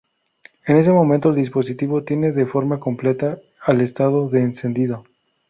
En este momento el dispositivo tiende de forma completa al estado de encendido.